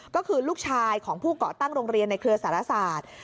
ก็คือลูกชายของผู้เกาะตั้งโรงเรียนในเครือสารศาสตร์